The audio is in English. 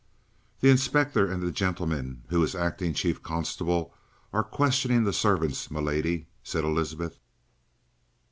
"The inspector and the gentleman who is acting Chief Constable are questioning the servants, m'lady," said Elizabeth.